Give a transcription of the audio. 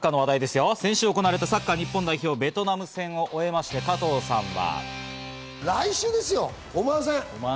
サッカーの話題で、先週行われたサッカー日本代表ベトナム戦を終えまして加藤さんは。